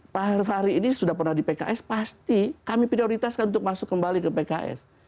pak herfahri ini sudah pernah di pks pasti kami prioritaskan untuk masuk kembali ke pks